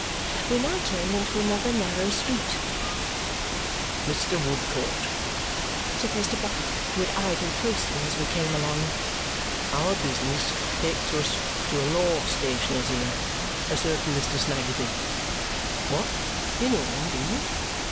We now turned into another narrow street. "Mr. Woodcourt," said Mr. Bucket, who had eyed him closely as we came along, "our business takes us to a law stationer's here, a certain Mr. Snagsby's. What, you know him, do you?"